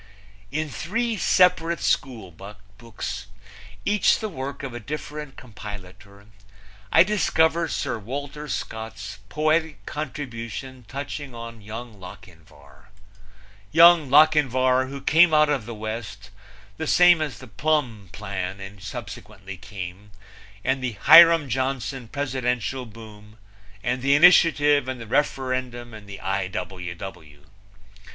In three separate schoolbooks, each the work of a different compilator, I discover Sir Walter Scott's poetic contribution touching on Young Lochinvar Young Lochinvar who came out of the West, the same as the Plumb plan subsequently came, and the Hiram Johnson presidential boom and the initiative and the referendum and the I. W. W.